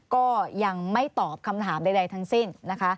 ก็ยังไม่ตอบคำถามใดทั้งสิ้นนะคะ